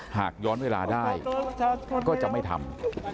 หากย้อนเวลาได้ก็จะไม่ทำ